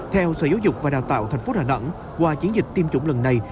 theo sở giáo dục và đào tạo thành phố hà nẵng qua chiến dịch tiêm chủng lần này